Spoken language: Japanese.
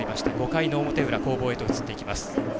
５回の表裏の攻防へと入ってきています。